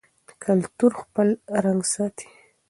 کلتور خپل رنګ ساتي.